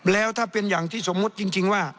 แล้วถ้าเป็นอย่างที่สมมุติจริงว่า